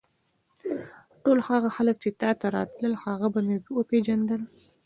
ټول هغه خلک چې تا ته راتلل هغه به مې وپېژندل.